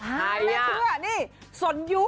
และเพื่อนี่สนยุค